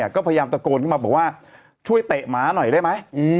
ก็พยายามตะโกนขึ้นมาบอกว่าช่วยเตะหมาหน่อยได้ไหม